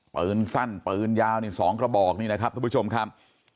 ปืนสั้นปืนยาวนี่๒กระบอกนี่นะครับทุกผู้ชมครับ